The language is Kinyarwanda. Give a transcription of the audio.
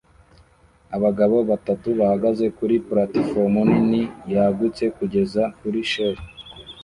Abagabo batatu bahagaze kuri platifomu nini yagutse kugeza kuri cheri